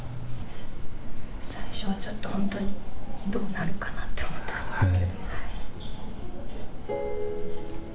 最初はちょっと、本当にどうなるかなって思ったんですけど。